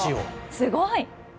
すごい。